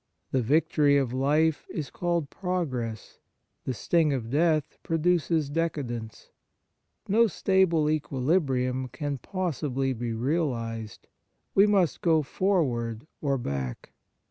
The victory of life is called progress, the sting of death produces decadence. No stable equilibrium can possibly be realized ; we must go forward or back.